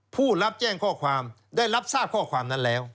ผู้รับแจ้งข้อความได้รับทราบข้อความนั้นแล้ว